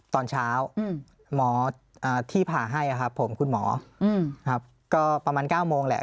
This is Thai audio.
ตอนเช้าอืมหมออ่าที่ผ่าให้ครับผมคุณหมออืมครับก็ประมาณเก้าโมงแหละ